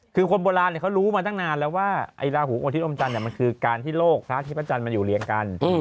คือคนโบราณเขารู้มาตั้งนานแล้วว่าไอ้ราหูอธิอมจันทร์มันคือการที่โลกพระอาทิตย์พระจันทร์มันอยู่เรียงกัน